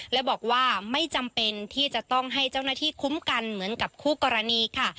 และบอกว่าไม่จำเป็นที่จะต้องให้เจ้าหน้าที่คุ้มกันเหมือนกับคู่กรณีค่ะ